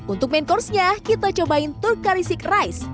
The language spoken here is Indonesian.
untuk main course nya kita cobain turk kari seek rice